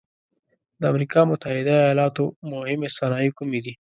د امریکا متحد ایلاتو مهمې صنایع کومې دي؟